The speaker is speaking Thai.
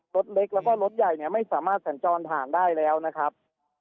รถเล็กแล้วก็รถใหญ่เนี่ยไม่สามารถสัญจรผ่านได้แล้วนะครับ